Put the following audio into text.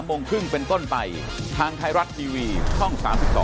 โมงครึ่งเป็นต้นไปทางไทยรัฐทีวีช่อง๓๒